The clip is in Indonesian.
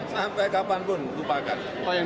sampai kapanpun lupakan